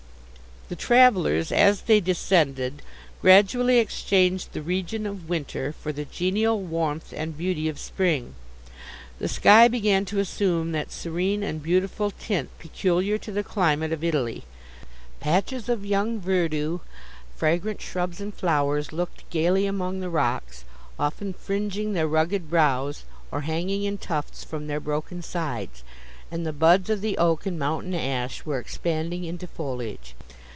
The travellers, as they descended, gradually, exchanged the region of winter for the genial warmth and beauty of spring. The sky began to assume that serene and beautiful tint peculiar to the climate of Italy; patches of young verdure, fragrant shrubs and flowers looked gaily among the rocks, often fringing their rugged brows, or hanging in tufts from their broken sides; and the buds of the oak and mountain ash were expanding into foliage.